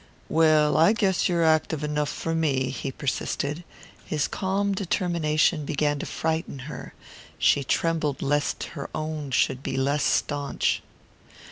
"Well, I guess you're active enough for me," he persisted. His calm determination began to frighten her; she trembled lest her own should be less staunch.